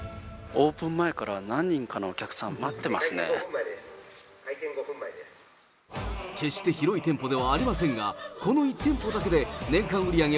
オープン前から何人かのお客さん、決して広い店舗ではありませんが、この１店舗だけで年間売り上げ